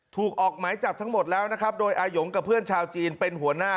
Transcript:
ออกหมายจับทั้งหมดแล้วนะครับโดยอายงกับเพื่อนชาวจีนเป็นหัวหน้า